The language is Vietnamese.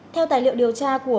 theo tài liệu điều tra của